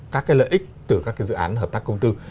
các lợi ích từ các dự án hợp tác công tử